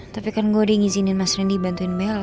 tapi kan gue udah ngizinin mas rendy bantuin bella